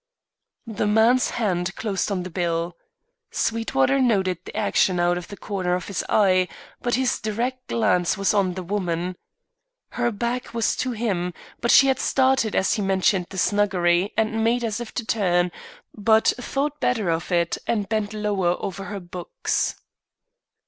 The man's hand closed on the bill. Sweetwater noted the action out of the corner of his eye, but his direct glance was on the woman. Her back was to him, but she had started as he mentioned the snuggery and made as if to turn; but thought better of it, and bent lower over her books.